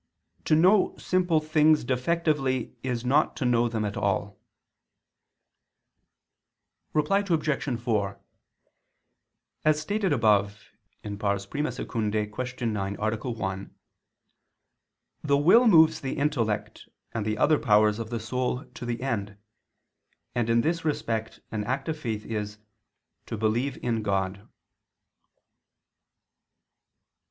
22) "to know simple things defectively is not to know them at all." Reply Obj. 4: As stated above (I II, Q. 9, A. 1) the will moves the intellect and the other powers of the soul to the end: and in this respect an act of faith is "to believe in God."